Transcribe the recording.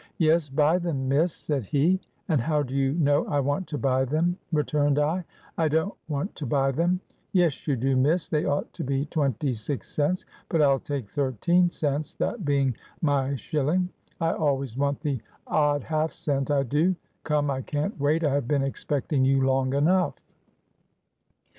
'Yes, buy them, miss' said he. 'And how do you know I want to buy them,' returned I, 'I don't want to buy them.' 'Yes you do, miss; they ought to be twenty six cents, but I'll take thirteen cents, that being my shilling. I always want the odd half cent, I do. Come, I can't wait, I have been expecting you long enough.'"